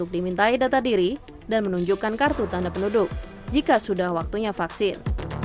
dimintai data diri dan menunjukkan kartu tanda penduduk jika sudah waktunya vaksin